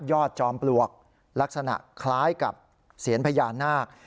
จอมปลวกลักษณะคล้ายกับเสียญพญานาค